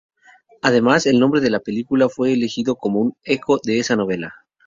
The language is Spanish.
Además, el nombre de la película fue elegido como un "eco" de esa novela.